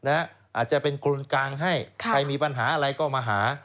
อาจจะเป็นคนกลางให้ใครมีปัญหาอะไรก็มาหา